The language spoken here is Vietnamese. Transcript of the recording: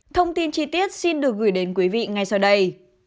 thông tin chi tiết xin được gửi đến quý vị ngay sau đây